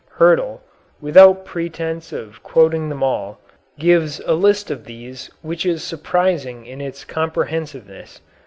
Hyrtl, without pretence of quoting them all, gives a list of these which is surprising in its comprehensiveness.